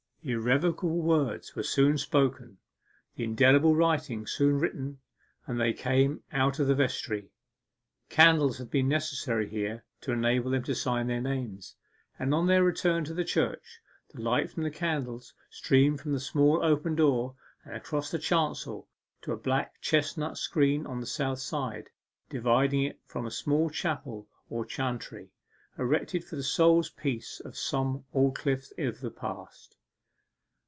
The irrevocable words were soon spoken the indelible writing soon written and they came out of the vestry. Candles had been necessary here to enable them to sign their names, and on their return to the church the light from the candles streamed from the small open door, and across the chancel to a black chestnut screen on the south side, dividing it from a small chapel or chantry, erected for the soul's peace of some Aldclyffe of the past.